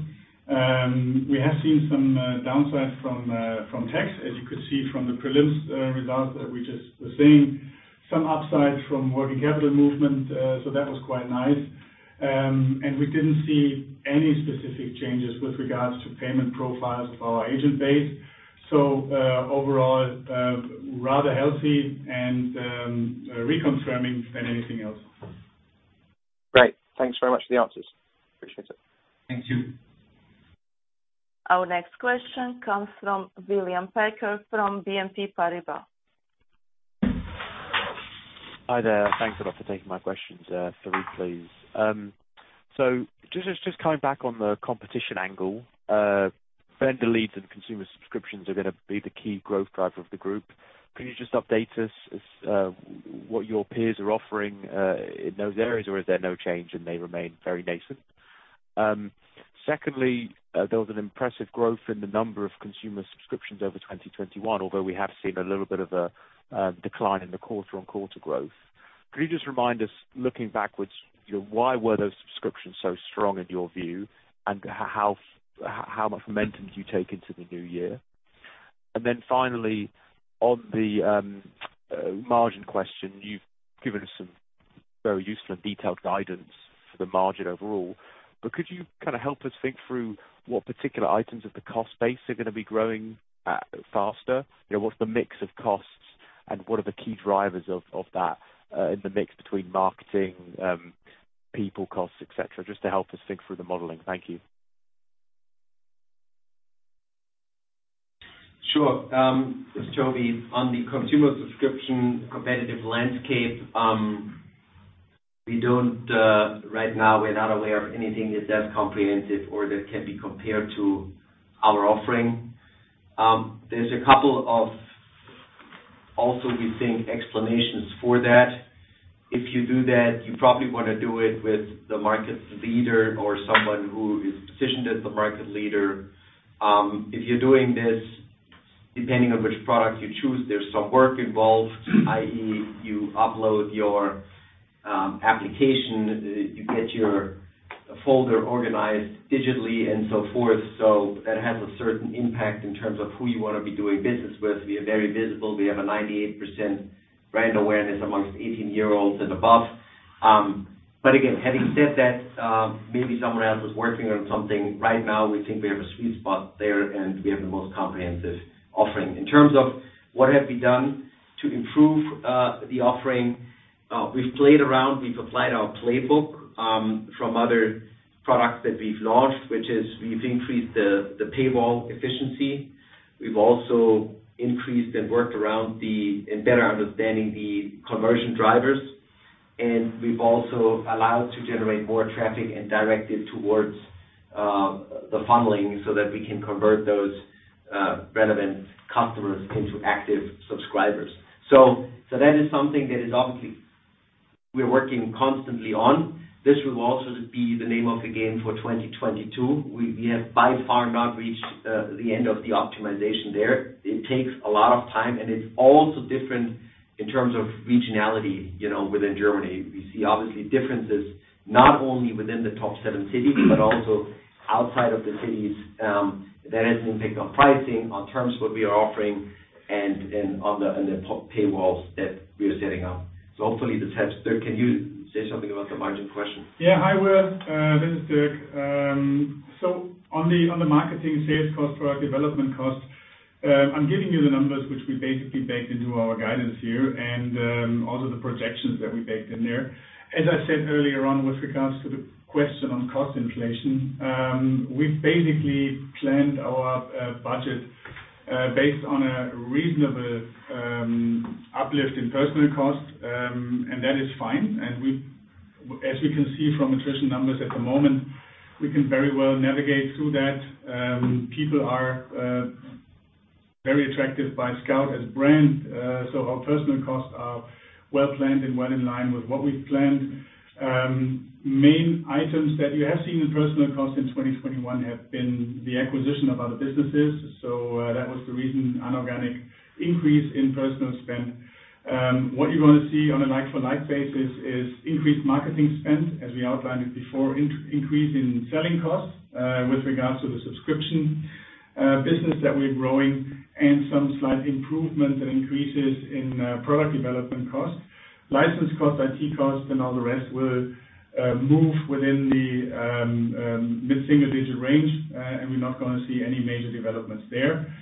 We have seen some downside from tax, as you could see from the prelims results that we just were seeing. Some upside from working capital movement, so that was quite nice. We didn't see any specific changes with regards to payment profiles for our agent base. Overall, rather healthy and reconfirming than anything else. Great. Thanks very much for the answers. Appreciate it. Thank you. Our next question comes from William Packer from BNP Paribas. Hi, there. Thanks a lot for taking my questions. For you, please. So just coming back on the competition angle. Vendor leads and consumer subscriptions are gonna be the key growth driver of the group. Can you just update us what your peers are offering in those areas? Or is there no change and they remain very nascent? Secondly, there was an impressive growth in the number of consumer subscriptions over 2021, although we have seen a little bit of a decline in the quarter-on-quarter growth. Could you just remind us, looking backwards, why were those subscriptions so strong in your view, and how much momentum do you take into the new year? Then finally, on the margin question, you've given us some very useful and detailed guidance for the margin overall. Could you kinda help us think through what particular items of the cost base are gonna be growing faster? You know, what's the mix of costs, and what are the key drivers of that in the mix between marketing, people costs, et cetera, just to help us think through the modeling. Thank you. Sure. This is Toby. On the consumer subscription competitive landscape, we don't, right now, we're not aware of anything that's as comprehensive or that can be compared to our offering. There's a couple of also, we think, explanations for that. If you do that, you probably wanna do it with the market leader or someone who is positioned as the market leader. If you're doing this, depending on which product you choose, there's some work involved, i.e., you upload your application, you get your folder organized digitally and so forth. So that has a certain impact in terms of who you wanna be doing business with. We are very visible. We have a 98% brand awareness among 18-year-olds and above. Again, having said that, maybe someone else was working on something. Right now, we think we have a sweet spot there, and we have the most comprehensive offering. In terms of what have we done to improve, the offering, we've played around. We've applied our playbook, from other products that we've launched, which is we've increased the paywall efficiency. We've also increased and worked around the in better understanding the conversion drivers. We've also allowed to generate more traffic and direct it towards, the funneling so that we can convert those, relevant customers into active subscribers. So that is something that is obviously we're working constantly on. This will also be the name of the game for 2022. We have by far not reached the end of the optimization there. It takes a lot of time, and it's also different in terms of regionality, you know, within Germany. We see obviously differences not only within the top seven cities, but also outside of the cities, that has an impact on pricing, on terms what we are offering and on the top paywalls that we are setting up. Hopefully this helps. Dirk, can you say something about the margin question? Hi, Will. This is Dirk. On the marketing sales cost, product development cost, I'm giving you the numbers which we basically baked into our guidance here and also the projections that we baked in there. As I said earlier on with regards to the question on cost inflation, we've basically planned our budget based on a reasonable uplift in personnel costs. That is fine. As we can see from attrition numbers at the moment, we can very well navigate through that. People are very attracted by Scout as a brand. Our personnel costs are well planned and well in line with what we've planned. Main items that you have seen in personnel costs in 2021 have been the acquisition of other businesses. That was the reason, an organic increase in personnel spend. What you're gonna see on a like-for-like basis is increased marketing spend, as we outlined it before, increase in selling costs with regards to the subscription business that we're growing, and some slight improvement and increases in product development costs. License costs, IT costs, and all the rest will move within the mid-single-digit range, and we're not gonna see any major developments there.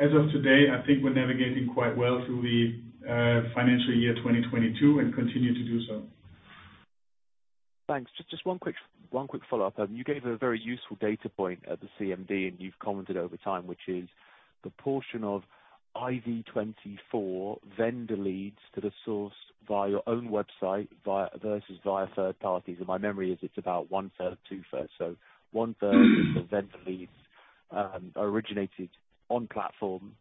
As of today, I think we're navigating quite well through the financial year 2022 and continue to do so. Thanks. Just one quick follow-up. You gave a very useful data point at the CMD, and you've commented over time, which is the portion of immoverkauf24 vendor leads that are sourced via your own website versus via third parties. My memory is it's about one-third, two-thirds. One-third of the vendor leads originated on platform.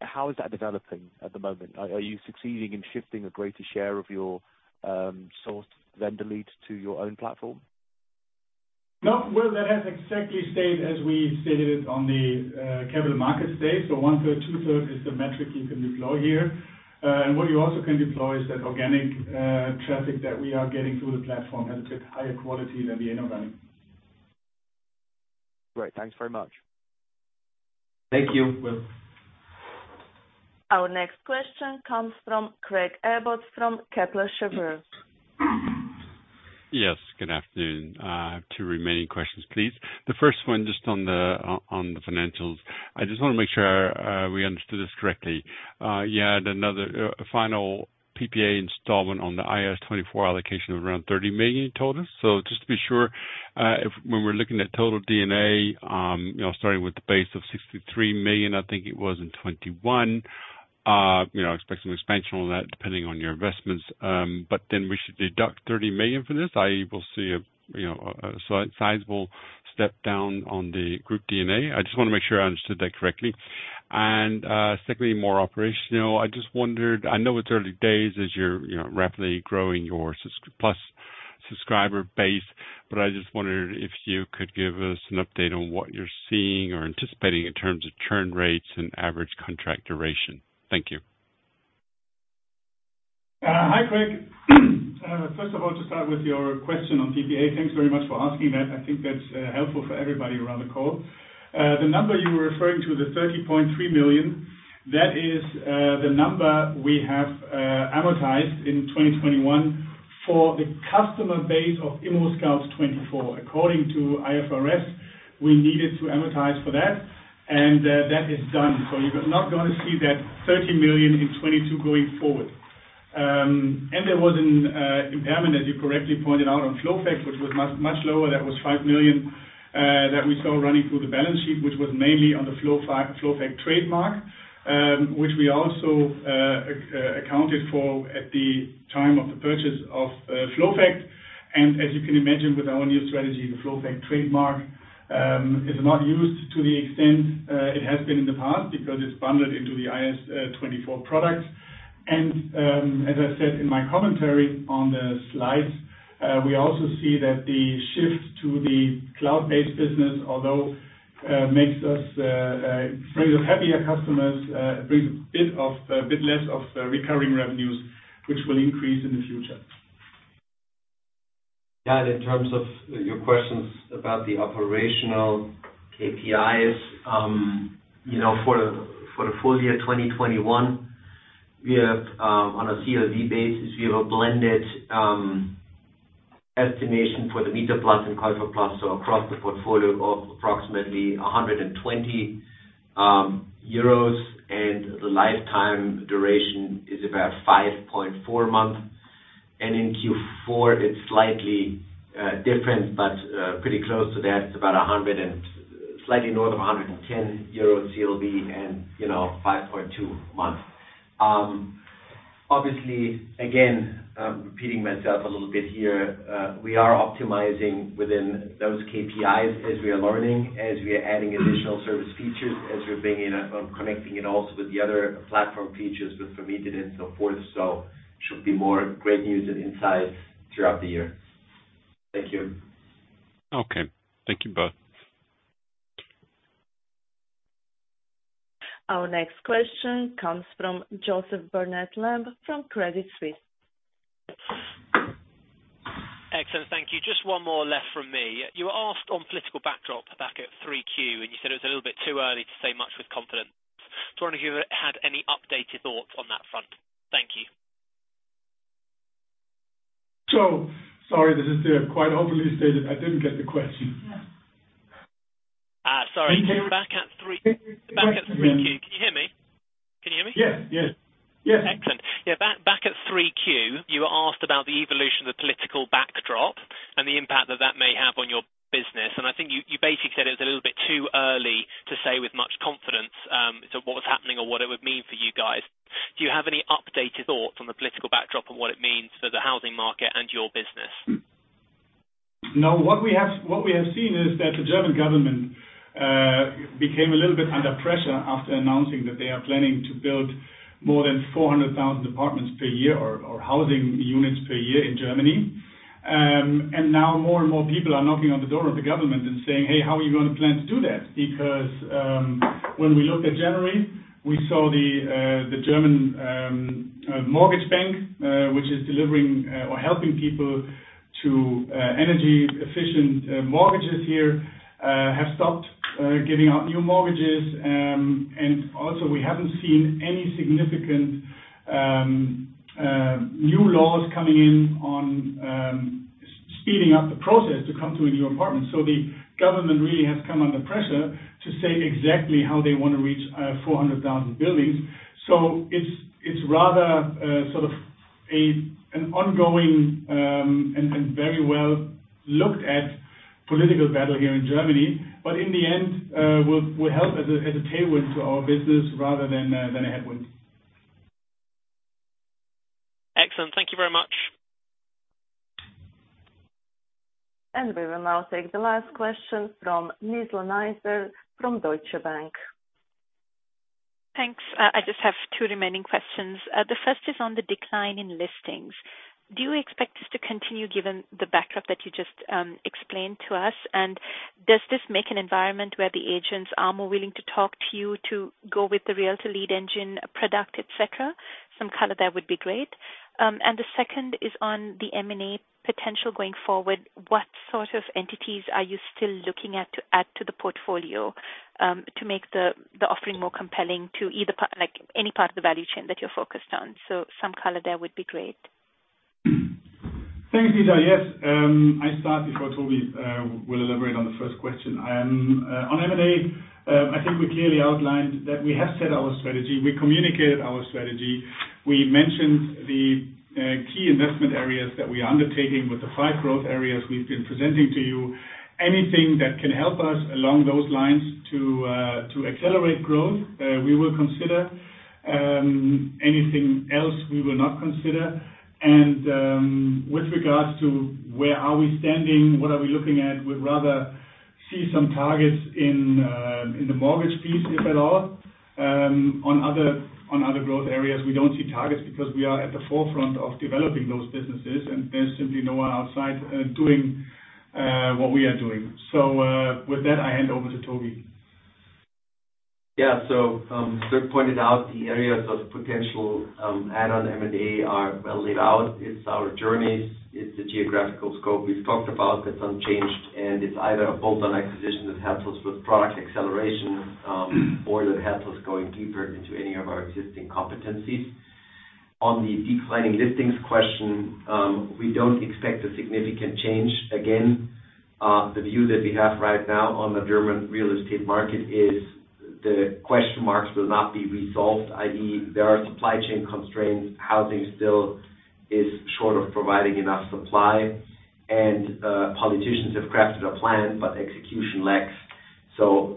How is that developing at the moment? Are you succeeding in shifting a greater share of your sourced vendor leads to your own platform? No. Will, that has exactly stayed as we stated it on the Capital Markets Day. One-third, two-third is the metric you can deploy here. What you also can deploy is that organic traffic that we are getting through the platform has a bit higher quality than the inorganic. Great. Thanks very much. Thank you, Will. Our next question comes from Craig Abbott from Kepler Cheuvreux. Yes. Good afternoon. Two remaining questions, please. The first one, just on the financials. I just wanna make sure we understood this correctly. You had another final PPA installment on the ImmoScout24 allocation of around 30 million, you told us. So just to be sure, if when we're looking at total D&A, you know, starting with the base of 63 million, I think it was in 2021, you know, expecting expansion on that depending on your investments. But then we should deduct 30 million from this. I will see a sizable step down on the group D&A. I just wanna make sure I understood that correctly. Secondly, more operational. I just wondered, I know it's early days as you're, you know, rapidly growing your sub-Plus subscriber base, but I just wondered if you could give us an update on what you're seeing or anticipating in terms of churn rates and average contract duration. Thank you. Hi, Craig. First of all, to start with your question on PPA, thanks very much for asking that. I think that's helpful for everybody around the call. The number you were referring to, the 30.3 million, that is the number we have amortized in 2021 for the customer base of ImmoScout24. According to IFRS, we needed to amortize for that, and that is done. You're not gonna see that 30 million in 2022 going forward. There was an impairment, as you correctly pointed out, on FLOWFACT, which was much, much lower. That was 5 million that we saw running through the balance sheet, which was mainly on the FLOWFACT trademark, which we also accounted for at the time of the purchase of FLOWFACT. As you can imagine with our new strategy, the FLOWFACT trademark is not used to the extent it has been in the past because it's bundled into the ImmoScout24 products. As I said in my commentary on the slides, we also see that the shift to the cloud-based business although brings us happier customers, brings a bit less of recurring revenues, which will increase in the future. Yeah, in terms of your questions about the operational KPIs, you know, for the full year 2021, we have on a CLV basis a blended estimation for the MieterPlus and KäuferPlus. Across the portfolio of approximately 120 euros and the lifetime duration is about 5.4 months. In Q4, it's slightly different, but pretty close to that. It's about slightly north of 110 euro CLV and, you know, 5.2 months. Obviously, again, I'm repeating myself a little bit here. We are optimizing within those KPIs as we are learning, as we are adding additional service features, as we're bringing connecting it also with the other platform features with Vermietet.de And so forth. There should be more great news and insights throughout the year. Thank you. Okay. Thank you both. Our next question comes from Joseph Barnet-Lamb from Credit Suisse. Excellent. Thank you. Just one more left from me. You were asked on political backdrop back at 3Q, and you said it was a little bit too early to say much with confidence. I was wondering if you had any updated thoughts on that front. Thank you. Sorry, this is Dirk. Quite openly stated, I didn't get the question. Sorry. Back at 3Q. Can you hear me? Can you hear me? Yes. Excellent. Yeah. Back at 3Q, you were asked about the evolution of the political backdrop and the impact that that may have on your business. I think you basically said it was a little bit too early to say with much confidence to what was happening or what it would mean for you guys. Do you have any updated thoughts on the political backdrop and what it means for the housing market and your business? No. What we have seen is that the German government became a little bit under pressure after announcing that they are planning to build more than 400,000 apartments per year or housing units per year in Germany. Now more and more people are knocking on the door of the government and saying, "Hey, how are you gonna plan to do that?" Because when we looked at January, we saw the German mortgage bank, which is delivering or helping people to energy efficient mortgages here, have stopped giving out new mortgages. Also we haven't seen any significant new laws coming in on speeding up the process to come to a new apartment. The government really has come under pressure to say exactly how they wanna reach 400,000 buildings. It's rather sort of an ongoing and very well looked at political battle here in Germany. In the end, it will help as a tailwind to our business rather than a headwind. Excellent. Thank you very much. We will now take the last question from Nizla Naizer from Deutsche Bank. Thanks. I just have two remaining questions. The first is on the decline in listings. Do you expect this to continue given the backdrop that you just explained to us? And does this make an environment where the agents are more willing to talk to you to go with the Realtor Lead Engine product, et cetera? Some color there would be great. And the second is on the M&A potential going forward. What sort of entities are you still looking at to add to the portfolio, to make the offering more compelling to either like, any part of the value chain that you're focused on? Some color there would be great. Thanks, Lisa. Yes. I start before Tobi will elaborate on the first question. On M&A, I think we clearly outlined that we have set our strategy. We communicated our strategy. We mentioned the key investment areas that we are undertaking with the five growth areas we've been presenting to you. Anything that can help us along those lines to accelerate growth, we will consider. Anything else we will not consider. With regards to where we are standing, what we are looking at, we'd rather see some targets in the mortgage piece, if at all. On other growth areas, we don't see targets because we are at the forefront of developing those businesses, and there's simply no one outside doing what we are doing. With that, I hand over to Tobi. Yeah. Dirk pointed out the areas of potential, add-on M&A are well laid out. It's our journeys, it's the geographical scope we've talked about, that's unchanged, and it's either a bolt-on acquisition that helps us with product acceleration, or that helps us going deeper into any of our existing competencies. On the declining listings question, we don't expect a significant change. Again, the view that we have right now on the German real estate market is the question marks will not be resolved, i.e., there are supply chain constraints. Housing still is short of providing enough supply, and politicians have crafted a plan, but execution lacks.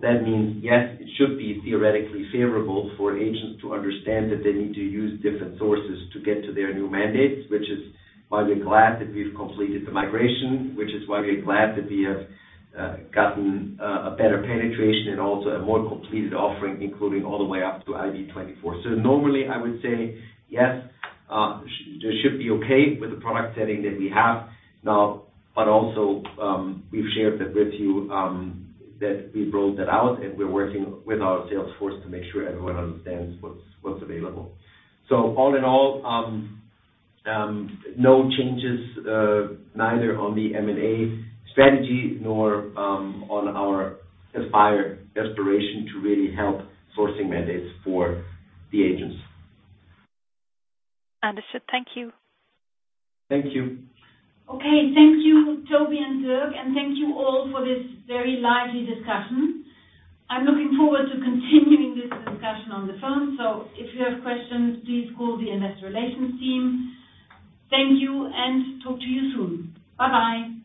That means, yes, it should be theoretically favorable for agents to understand that they need to use different sources to get to their new mandates. Which is why we're glad that we've completed the migration and gotten a better penetration and also a more complete offering, including all the way up to immoverkauf24. Normally, I would say yes, this should be okay with the product setting that we have now. Also, we've shared that with you, that we've rolled that out, and we're working with our sales force to make sure everyone understands what's available. All in all, no changes, neither on the M&A strategy nor on our aspiration to really help sourcing mandates for the agents. Understood. Thank you. Thank you. Okay. Thank you, Tobi and Dirk, and thank you all for this very lively discussion. I'm looking forward to continuing this discussion on the phone. If you have questions, please call the investor relations team. Thank you, and talk to you soon. Bye-bye.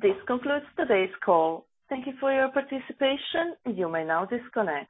This concludes today's call. Thank you for your participation. You may now disconnect.